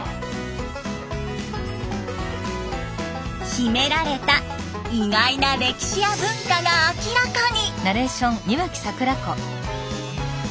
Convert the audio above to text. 秘められた意外な歴史や文化が明らかに！